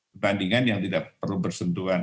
pertandingan yang tidak perlu bersentuhan